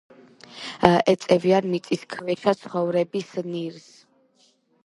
ეწევიან მიწისქვეშა ცხოვრების ნირს.